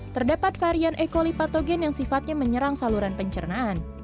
terdapat varian e coli patogen yang sifatnya menyerang saluran pencernaan